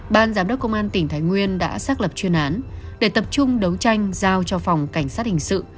ban giám đốc công an tỉnh thái nguyên đã xác lập chuyên án để tập trung đấu tranh giao cho phòng cảnh sát hình sự